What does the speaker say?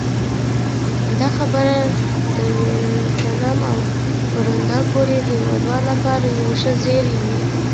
دا خبره د ویتنام او روندا پورې هېوادونو لپاره یو ښه زېری وي.